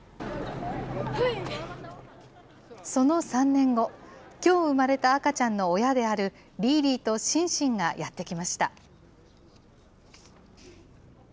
その３年後、きょう産まれた赤ちゃんの親であるリーリーとシンシンがやって来ました。